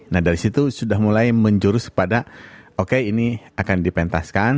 nah dari situ sudah mulai menjurus pada oke ini akan dipentaskan